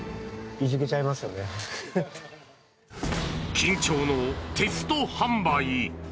緊張のテスト販売。